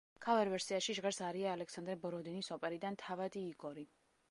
ქავერ ვერსიაში ჟღერს არია ალექსანდრე ბოროდინის ოპერიდან „თავადი იგორი“.